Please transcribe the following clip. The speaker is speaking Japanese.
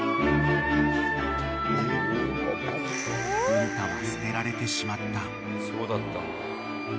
［文太は捨てられてしまった］